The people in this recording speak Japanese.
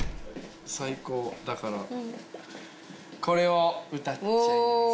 最高だからこれを歌っちゃいます